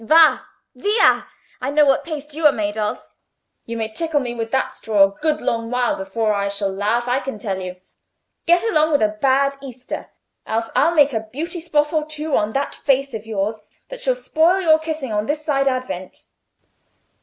"Va via! I know what paste you are made of. You may tickle me with that straw a good long while before I shall laugh, I can tell you. Get along, with a bad Easter! else I'll make a beauty spot or two on that face of yours that shall spoil your kissing on this side Advent."